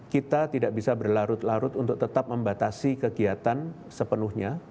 kita tidak bisa berlarut larut untuk tetap membatasi kegiatan sepenuhnya